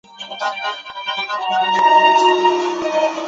这政策为隋唐一统全国创造了基础。